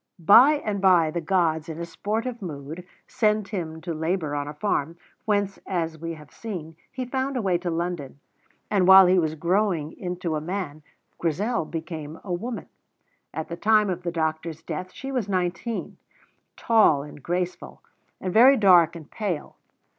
By and by the gods, in a sportive mood, sent him to labour on a farm, whence, as we have seen, he found a way to London, and while he was growing into a man Grizel became a woman. At the time of the doctor's death she was nineteen, tall and graceful, and very dark and pale.